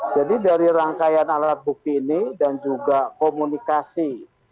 jadi dari rangkaian alat bukti ini dan juga komunikasi